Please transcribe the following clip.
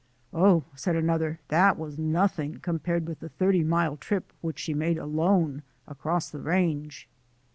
"Oh," said another, "that was nothing com pared with the thirty mile trip which she made alone across the Range."